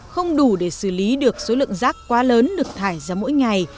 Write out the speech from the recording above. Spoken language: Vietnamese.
không đủ để xử lý được số lượng rác quá lớn được thải ra mỗi ngày